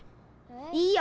いいよ。